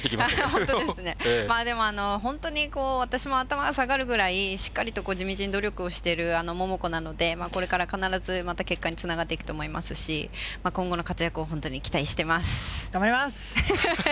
本当ですね、でも本当に、私も頭下がるぐらい、しっかりと地道に努力をしている桃子なので、これから必ずまた結果につながっていくと思いますし、今後の活躍頑張ります！